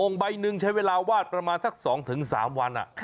โอ่งใบหนึ่งใช้เวลาวาดประมาณสักสองถึงสามวัน